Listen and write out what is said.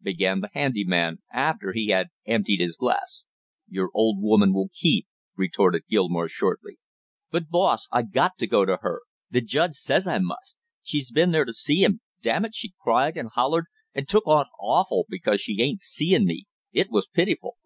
began the handy man, after he had emptied his glass. "Your old woman will keep!" retorted Gilmore shortly. "But, boss, I got to go to her; the judge says I must! She's been there to see him; damn it, she cried and hollered and took on awful because she ain't seein' me; it was pitiful!"